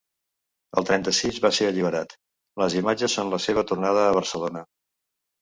El trenta-sis va ser alliberat, les imatges són la seva tornada a Barcelona.